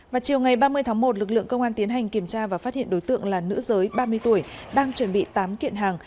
vào chiều ngày ba mươi tháng một lực lượng công an tiến hành kiểm tra và phát hiện đối tượng là nữ giới ba mươi tuổi đang chuẩn bị tám kiện hàng